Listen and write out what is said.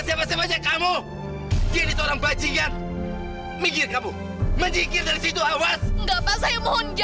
sampai jumpa di video selanjutnya